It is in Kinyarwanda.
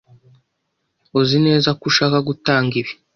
Uzi neza ko ushaka gutanga ibi?